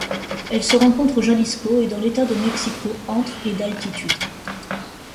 Elle se rencontre au Jalisco et dans l'État de Mexico entre et d'altitude.